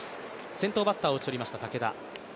先頭バッターを打ち取りました武田。